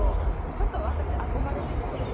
ちょっと私憧れててそれに。